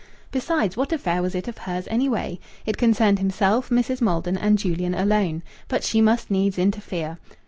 Besides, what affair was it of hers, anyway? It concerned himself, Mrs. Maldon, and Julian, alone. But she must needs interfere.